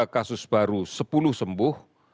tiga kasus baru sepuluh sembuh